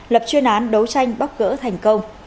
lập chuyên án đấu tranh bóc gỡ thành công